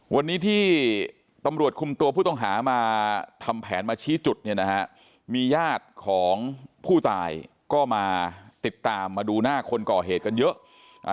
วันนี้ที่ตำรวจคุมตัวผู้ต้องหามาทำแผนมาชี้จุดเนี่ยนะฮะมีญาติของผู้ตายก็มาติดตามมาดูหน้าคนก่อเหตุกันเยอะอ่า